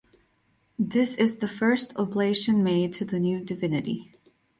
This is the first oblation made to the new divinity.